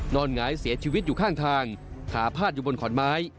หงายเสียชีวิตอยู่ข้างทางขาพาดอยู่บนขอนไม้